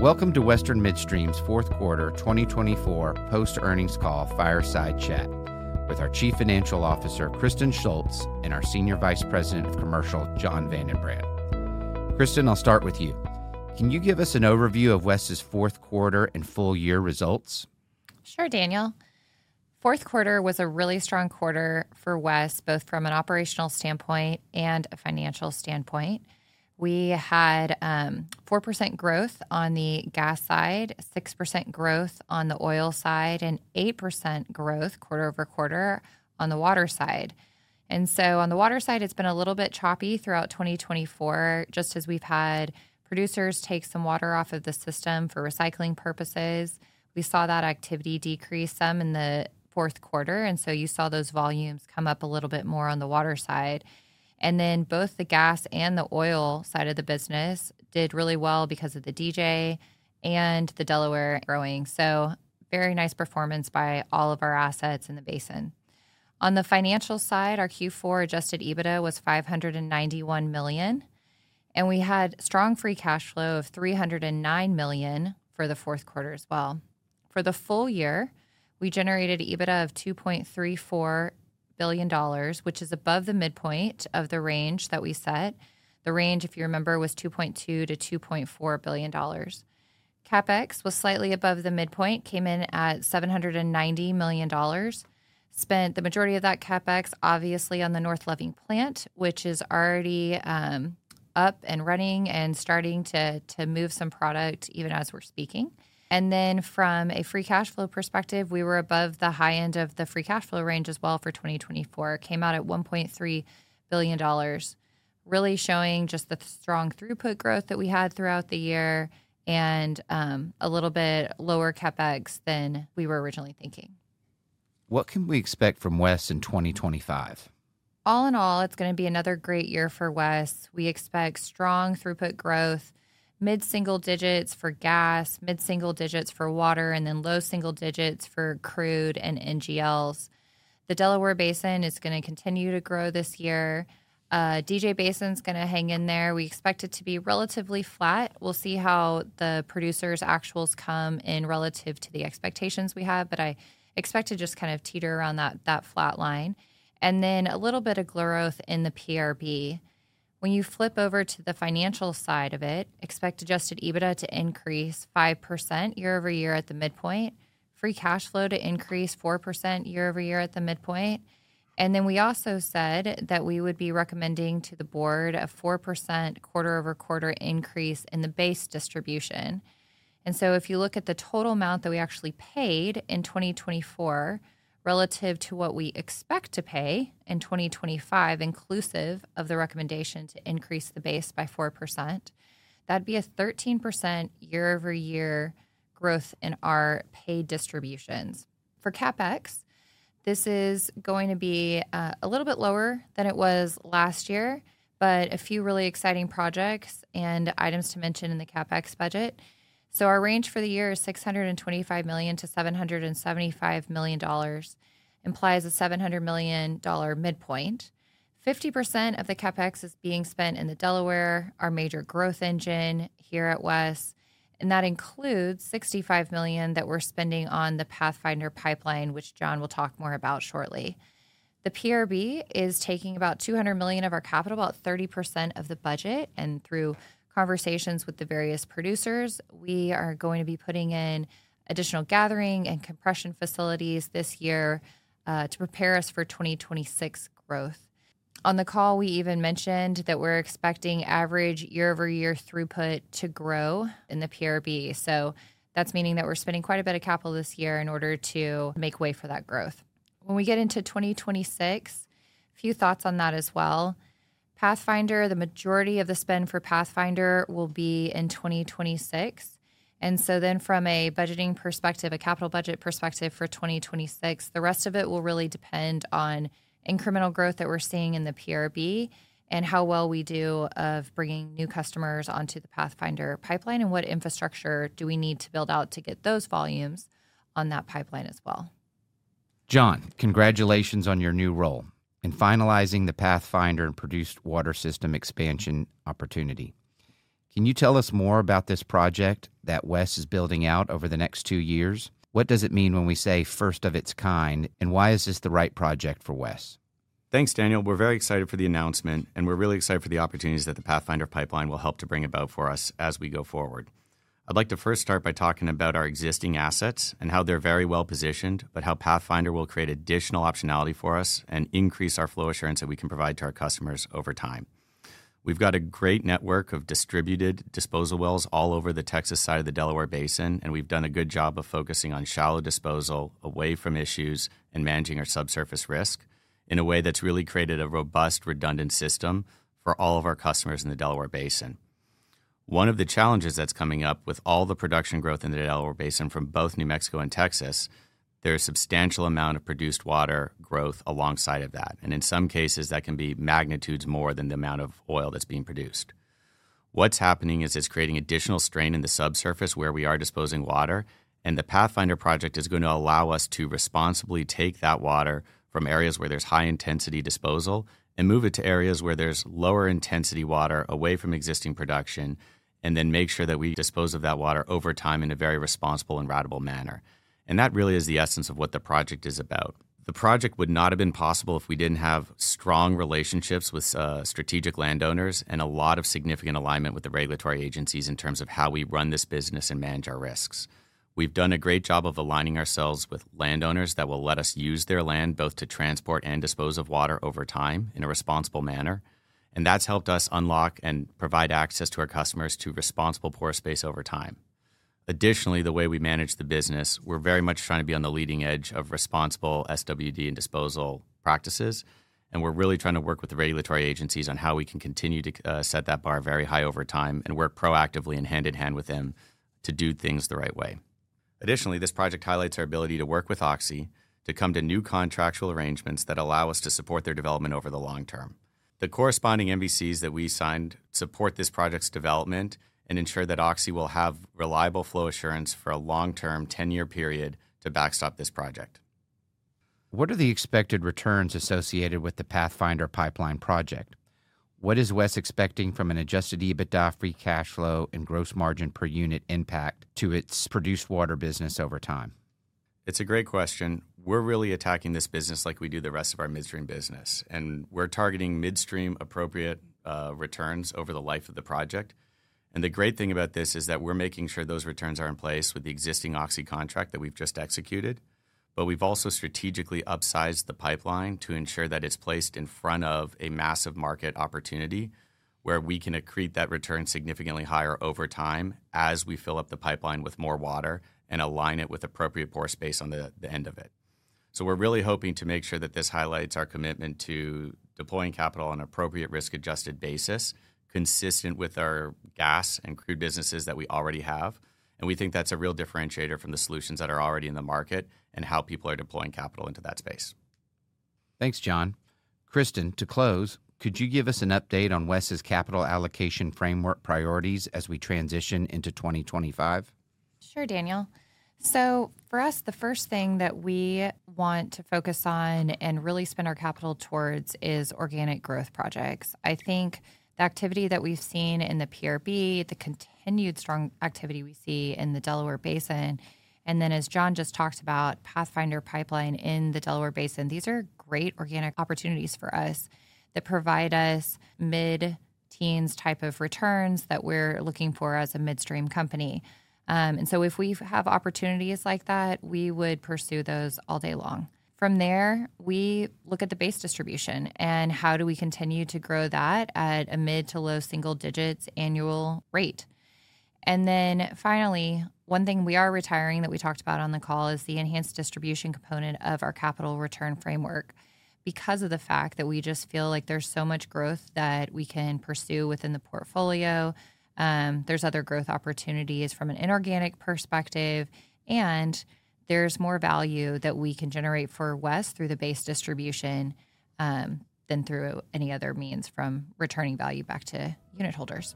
Welcome to Western Midstream's Fourth Quarter 2024 Post-Earnings Call, Fireside Chat, with our Chief Financial Officer, Kristen Shults, and our Senior Vice President of Commercial, Jon VandenBrand. Kristen, I'll start with you. Can you give us an overview of West's fourth quarter and full-year results? Sure, Daniel. Fourth quarter was a really strong quarter for West, both from an operational standpoint and a financial standpoint. We had 4% growth on the gas side, 6% growth on the oil side, and 8% growth quarter over quarter on the water side, and so on the water side, it's been a little bit choppy throughout 2024, just as we've had producers take some water off of the system for recycling purposes. We saw that activity decrease some in the fourth quarter, and so you saw those volumes come up a little bit more on the water side, and then both the gas and the oil side of the business did really well because of the DJ and the Delaware growing, so very nice performance by all of our assets in the basin. On the financial side, our Q4 Adjusted EBITDA was $591 million, and we had strong free cash flow of $309 million for the fourth quarter as well. For the full year, we generated EBITDA of $2.34 billion, which is above the midpoint of the range that we set. The range, if you remember, was $2.2-$2.4 billion. CapEx was slightly above the midpoint, came in at $790 million. Spent the majority of that CapEx, obviously, on the North Loving Plant, which is already up and running and starting to move some product even as we're speaking. And then from a free cash flow perspective, we were above the high end of the free cash flow range as well for 2024, came out at $1.3 billion, really showing just the strong throughput growth that we had throughout the year and a little bit lower CapEx than we were originally thinking. What can we expect from West in 2025? All in all, it's going to be another great year for West. We expect strong throughput growth, mid-single digits for gas, mid-single digits for water, and then low single digits for crude and NGLs. The Delaware Basin is going to continue to grow this year. DJ Basin's going to hang in there. We expect it to be relatively flat. We'll see how the producers' actuals come in relative to the expectations we have, but I expect to just kind of teeter around that flat line. And then a little bit of growth in the PRB. When you flip over to the financial side of it, expect Adjusted EBITDA to increase 5% year over year at the midpoint, free cash flow to increase 4% year over year at the midpoint. Then we also said that we would be recommending to the board a 4% quarter over quarter increase in the base distribution. So if you look at the total amount that we actually paid in 2024 relative to what we expect to pay in 2025, inclusive of the recommendation to increase the base by 4%, that'd be a 13% year over year growth in our paid distributions. For CapEx, this is going to be a little bit lower than it was last year, but a few really exciting projects and items to mention in the CapEx budget. Our range for the year is $625 million-$775 million, implies a $700 million midpoint. 50% of the CapEx is being spent in the Delaware, our major growth engine here at West, and that includes $65 million that we're spending on the Pathfinder Pipeline, which Jon will talk more about shortly. The PRB is taking about $200 million of our capital, about 30% of the budget, and through conversations with the various producers, we are going to be putting in additional gathering and compression facilities this year to prepare us for 2026 growth. On the call, we even mentioned that we're expecting average year over year throughput to grow in the PRB, so that's meaning that we're spending quite a bit of capital this year in order to make way for that growth. When we get into 2026, a few thoughts on that as well. Pipeline, the majority of the spend for Pathfinder Pipeline will be in 2026, and so then from a budgeting perspective, a capital budget perspective for 2026, the rest of it will really depend on incremental growth that we're seeing in the PRB and how well we do of bringing new customers onto the Pathfinder Pipeline and what infrastructure do we need to build out to get those volumes on that pipeline as well. Jon, congratulations on your new role in finalizing the Pathfinder and produced water system expansion opportunity. Can you tell us more about this project that West is building out over the next two years? What does it mean when we say first of its kind, and why is this the right project for West? Thanks, Daniel. We're very excited for the announcement, and we're really excited for the opportunities that the Pathfinder Pipeline will help to bring about for us as we go forward. I'd like to first start by talking about our existing assets and how they're very well positioned, but how Pathfinder will create additional optionality for us and increase our flow assurance that we can provide to our customers over time. We've got a great network of distributed disposal wells all over the Texas side of the Delaware Basin, and we've done a good job of focusing on shallow disposal away from issues and managing our subsurface risk in a way that's really created a robust redundant system for all of our customers in the Delaware Basin. One of the challenges that's coming up with all the production growth in the Delaware Basin from both New Mexico and Texas. There's a substantial amount of produced water growth alongside of that, and in some cases, that can be magnitudes more than the amount of oil that's being produced. What's happening is it's creating additional strain in the subsurface where we are disposing water, and the Pathfinder project is going to allow us to responsibly take that water from areas where there's high-intensity disposal and move it to areas where there's lower-intensity water away from existing production and then make sure that we dispose of that water over time in a very responsible and rational manner, and that really is the essence of what the project is about. The project would not have been possible if we didn't have strong relationships with strategic landowners and a lot of significant alignment with the regulatory agencies in terms of how we run this business and manage our risks. We've done a great job of aligning ourselves with landowners that will let us use their land both to transport and dispose of water over time in a responsible manner, and that's helped us unlock and provide access to our customers to responsible pore space over time. Additionally, the way we manage the business, we're very much trying to be on the leading edge of responsible SWD and disposal practices, and we're really trying to work with the regulatory agencies on how we can continue to set that bar very high over time and work proactively and hand-in-hand with them to do things the right way. Additionally, this project highlights our ability to work with Oxy to come to new contractual arrangements that allow us to support their development over the long term. The corresponding MVCs that we signed support this project's development and ensure that Oxy will have reliable flow assurance for a long-term 10-year period to backstop this project. What are the expected returns associated with the Pathfinder Pipeline project? What is West expecting from an Adjusted EBITDA, free cash flow, and gross margin per unit impact to its produced water business over time? It's a great question. We're really attacking this business like we do the rest of our midstream business, and we're targeting midstream appropriate returns over the life of the project. And the great thing about this is that we're making sure those returns are in place with the existing Oxy contract that we've just executed, but we've also strategically upsized the pipeline to ensure that it's placed in front of a massive market opportunity where we can accrete that return significantly higher over time as we fill up the pipeline with more water and align it with appropriate pore space on the end of it. We're really hoping to make sure that this highlights our commitment to deploying capital on an appropriate risk-adjusted basis consistent with our gas and crude businesses that we already have, and we think that's a real differentiator from the solutions that are already in the market and how people are deploying capital into that space. Thanks, Jon. Kristen, to close, could you give us an update on West's capital allocation framework priorities as we transition into 2025? Sure, Daniel. So for us, the first thing that we want to focus on and really spend our capital towards is organic growth projects. I think the activity that we've seen in the PRB, the continued strong activity we see in the Delaware Basin, and then as Jon just talked about, Pathfinder Pipeline in the Delaware Basin, these are great organic opportunities for us that provide us mid-teens type of returns that we're looking for as a midstream company. And so if we have opportunities like that, we would pursue those all day long. From there, we look at the base distribution and how do we continue to grow that at a mid to low single digits annual rate. Finally, one thing we are retiring that we talked about on the call is the enhanced distribution component of our capital return framework because of the fact that we just feel like there's so much growth that we can pursue within the portfolio. There's other growth opportunities from an inorganic perspective, and there's more value that we can generate for West through the base distribution than through any other means from returning value back to unit holders.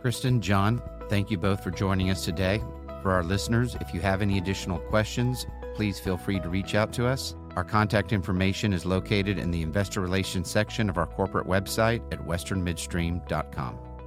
Kristen, Jon, thank you both for joining us today. For our listeners, if you have any additional questions, please feel free to reach out to us. Our contact information is located in the investor relations section of our corporate website at westernmidstream.com.